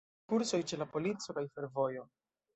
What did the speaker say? Kursoj ĉe la polico kaj fervojo.